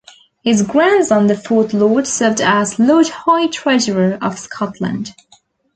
His grandson, the fourth Lord, served as Lord High Treasurer of Scotland.